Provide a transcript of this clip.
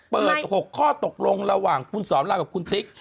เปิด๖ข้อตกลงระหว่างครุ่นสรำรากกับครุ่นติ๊ก